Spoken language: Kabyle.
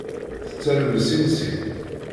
Tettarew sin sin.